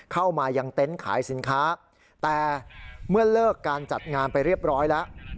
เข้ามายังเต็นต์ขายสินค้าแต่เมื่อเลิกการจัดงานไปเรียบร้อยแล้ว